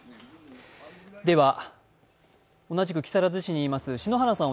では、同じく木更津市にいます篠原さん